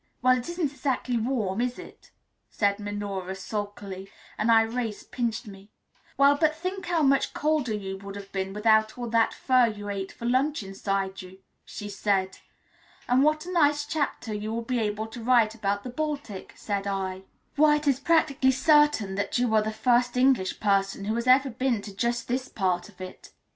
"Well, it isn't exactly warm, is it?" said Minora sulkily; and Irais pinched me. "Well, but think how much colder you would have been without all that fur you ate for lunch inside you," she said. "And what a nice chapter you will be able to write about the Baltic," said I. "Why, it is practically certain that you are the first English person who has ever been to just this part of it."